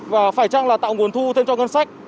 và phải chăng là tạo nguồn thu thêm cho ngân sách